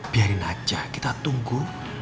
biarin aja kita tunggu